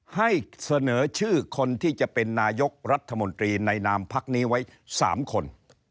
ให้เสนอชื่อคนที่จะเป็นนายกรัฐมนตรีในนามพักนี้ไว้๓คน